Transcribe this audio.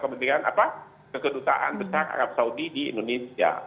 kementerian apa kegedutaan besar arab saudi di indonesia